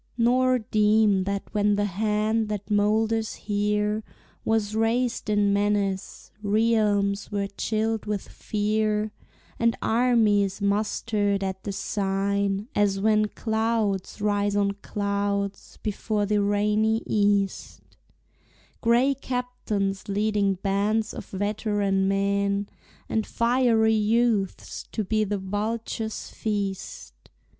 Nor deem that when the hand that molders here Was raised in menace, realms were chilled with fear, And armies mustered at the sign, as when Clouds rise on clouds before the rainy East, Gray captains leading bands of veteran men And fiery youths to be the vulture's feast.